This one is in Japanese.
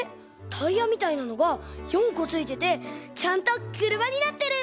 タイヤみたいなのが４こついててちゃんとくるまになってる！